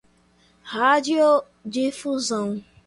radiodifusão